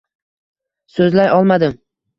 So‘zlay olmadim.